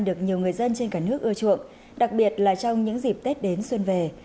được nhiều người dân trên cả nước ưa chuộng đặc biệt là trong những dịp tết đến xuân về